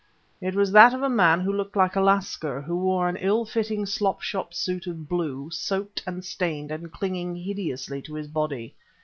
It was that of a man who looked like a Lascar, who wore an ill fitting slop shop suit of blue, soaked and stained and clinging hideously to his body.